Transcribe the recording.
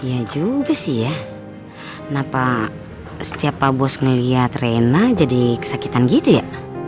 iya juga sih ya kenapa setiap pak bos ngeliat rena jadi kesakitan gitu ya